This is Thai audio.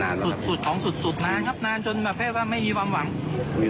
แล้วสุดท้ายที่